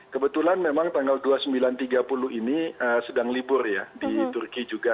kebetulan memang tanggal dua puluh sembilan tiga puluh ini sedang libur ya di turki juga